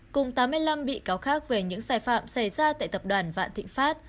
cùng tám mươi năm bị cáo khác về những sai phạm xảy ra tại tập đoàn vạn thịnh pháp